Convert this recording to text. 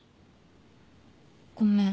ごめん。